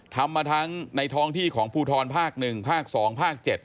ทำมาทั้งในท้องที่ของภูทรภาค๑ภาค๒ภาค๗